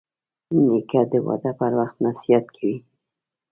نیکه د واده پر وخت نصیحت کوي.